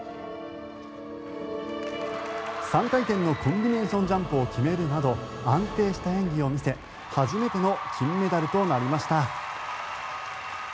３回転のコンビネーションジャンプを決めるなど安定した演技を見せ初めての金メダルとなりました。